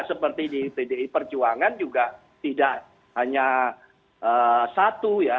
seperti di pdi perjuangan juga tidak hanya satu ya